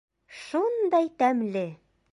Шундай тәмле!